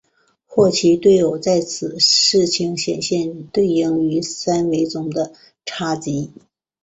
霍奇对偶在此情形显然对应于三维中的叉积。